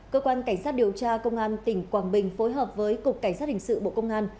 cơ quan cảnh sát điều tra công an tỉnh quảng bình phối hợp với cục cảnh sát hình sự bộ công an